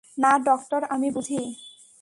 না, ডক্টর, আমি বুঝি।